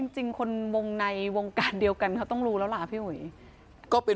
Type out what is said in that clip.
จริงคนวงในวงการเดียวกันเขาต้องรู้แล้วล่ะพี่อุ๋ย